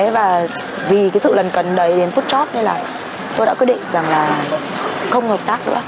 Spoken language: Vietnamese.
và vì cái sự lấn cấn đấy đến phút chót nên là tôi đã quyết định rằng là không hợp tác nữa